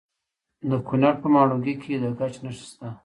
د کونړ په ماڼوګي کې د ګچ نښې شته.